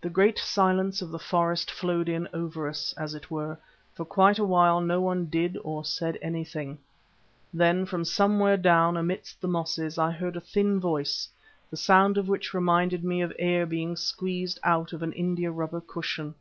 The great silence of the forest flowed in over us, as it were; for quite a while no one did or said anything. Then from somewhere down amidst the mosses I heard a thin voice, the sound of which reminded me of air being squeezed out of an indiarubber cushion.